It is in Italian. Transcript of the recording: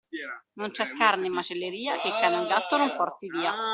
Non c'è carne in macelleria che cane o gatto non porti via.